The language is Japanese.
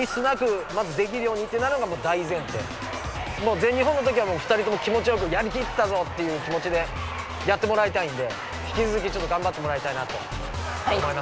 全日本のときはもう２人とも気もちよくやりきったぞっていう気もちでやってもらいたいんで引きつづきがんばってもらいたいなと思います。